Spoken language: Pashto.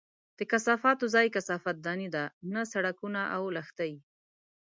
د کثافاتو ځای کثافت دانۍ دي، نه سړکونه او لښتي!